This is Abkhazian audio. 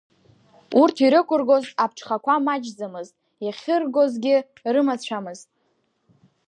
Урҭ ирықәыргоз аԥҽхақәа маҷӡамызт, иахьыргозгьы рымацәамызт.